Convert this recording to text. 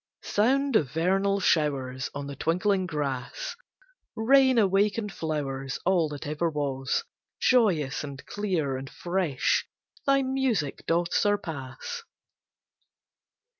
Sound of vernal showers On the twinkling grass, Rain awaken'd flowers, All that ever was, Joyous and clear and fresh, thy music doth surpass.